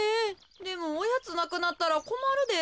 でもおやつなくなったらこまるで。